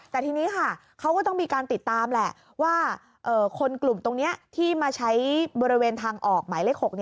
แต่ทีนี้ค่ะเขาก็ต้องมีการติดตามแหละว่าคนกลุ่มตรงนี้ที่มาใช้บริเวณทางออกหมายเลข๖